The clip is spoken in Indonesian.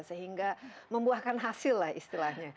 sehingga membuahkan hasil lah istilahnya